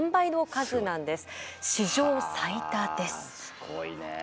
すごいね。